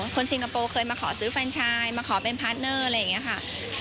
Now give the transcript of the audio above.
ซิงคโปร์เคยมาขอซื้อแฟนชายมาขอเป็นพาร์ทเนอร์อะไรอย่างนี้ค่ะ